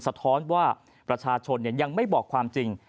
สะท้อนว่าประชาชนยังไม่บอกความจริง